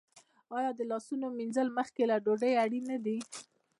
آیا د لاسونو مینځل مخکې له ډوډۍ اړین نه دي؟